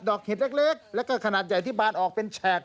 เห็ดเล็กแล้วก็ขนาดใหญ่ที่บานออกเป็นแฉก